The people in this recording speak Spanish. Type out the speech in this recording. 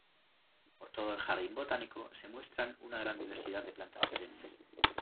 Por todo el jardín botánico se muestran una gran diversidad de plantas perennes.